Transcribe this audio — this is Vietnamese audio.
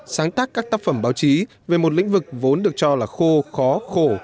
sáng tác các tác phẩm báo chí về một lĩnh vực vốn được cho là khô khó khổ